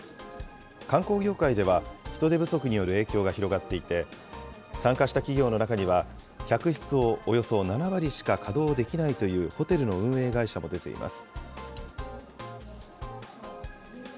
観光業界では、人手不足による影響が広がっていて、参加した企業の中には、客室をおよそ７割しか稼働できないというホテルの運営会社も出ています。